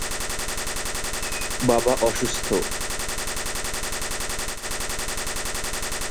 বাবা অসুস্থ।